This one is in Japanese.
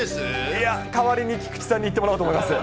いや、代わりに菊池さんに行ってもらおうと思います。